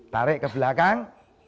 tarik ke belakang